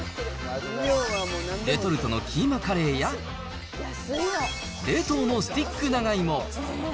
レトルトのキーマカレーや、冷凍のスティック長芋。